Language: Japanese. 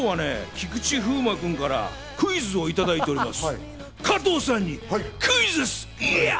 じゃあ今日はね、菊池風磨君からクイズをいただいております。